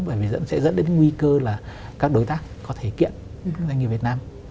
bởi vì sẽ dẫn đến nguy cơ là các đối tác có thể kiện doanh nghiệp việt nam